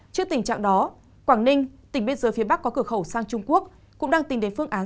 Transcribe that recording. trước tình trạng đó quảng ninh tỉnh biên giới phía bắc có cửa khẩu sang trung quốc cũng đang tìm đến phương án